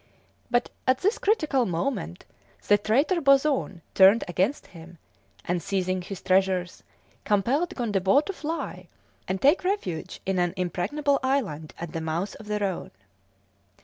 But at this critical moment the traitor Boson turned against him, and, seizing his treasures, compelled Gondebaud to fly, and take refuge in an impregnable island at the mouth of the Rhone.